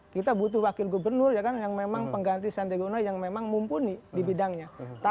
kita butuh wakil gubernur ya kan yang memang pengganti sandi gunai yang memang mumpuni di bidangnya